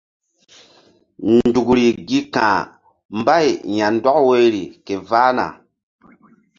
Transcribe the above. Nzukri gi ka̧h mbay ya̧ndɔk woyri ke vahna.